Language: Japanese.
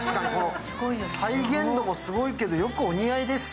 再現度もすごいけど、よくお似合いです。